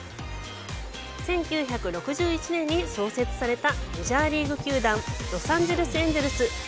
１９６１年に創設されたメジャーリーグ球団ロサンゼルス・エンゼルス。